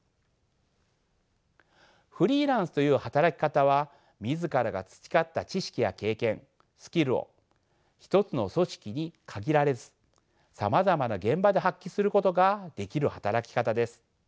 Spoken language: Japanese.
フリーランスという働き方は自らが培った知識や経験スキルを一つの組織に限られずさまざまな現場で発揮することができる働き方です。